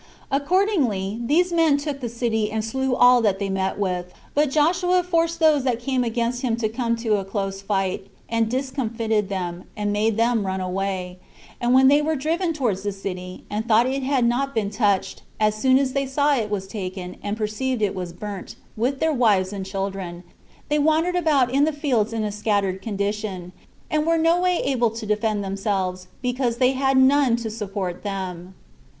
Accordingly, these men took the city, and slew all that they met with; but Joshua forced those that came against him to come to a close fight, and discomfited them, and made them run away; and when they were driven towards the city, and thought it had not been touched, as soon as they saw it was taken, and perceived it was burnt, with their wives and children, they wandered about in the fields in a scattered condition, and were no way able to defend themselves, because they had none to support them.